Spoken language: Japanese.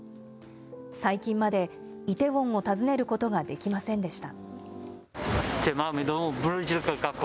最近までイテウォンを訪ねることができませんでした。